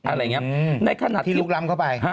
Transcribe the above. อะไรอย่างนี้ในขณะที่คุณเมธรัมป์ก็ไปครับ